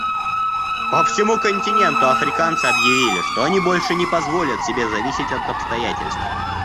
По всему континенту африканцы объявили, что они больше не позволят себе зависеть от обстоятельств.